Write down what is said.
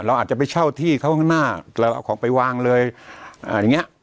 เราอาจจะไปเช่าที่เขาข้างหน้าเราเอาของไปวางเลยอย่างเงี้ย